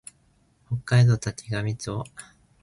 北海道滝上町